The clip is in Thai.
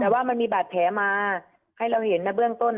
แต่ว่ามันมีบาดแผลมาให้เราเห็นในเบื้องต้น